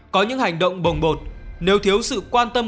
có những hành động bồng bột nếu thiếu sự quan tâm